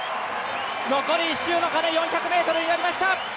残り１周の鐘４００ｍになりました！